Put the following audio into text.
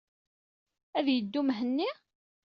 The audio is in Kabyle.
Ad yeddu Mhenni?